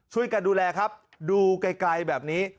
ช่วยกันดูแลครับดูไกลแบบนี้